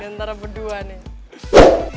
antara berdua nih